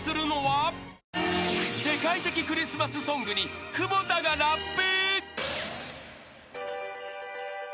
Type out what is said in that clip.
［世界的クリスマスソングに久保田がラップ］